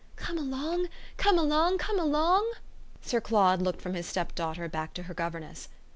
"Come along, come along, come along!" Sir Claude looked from his stepdaughter back to her governess.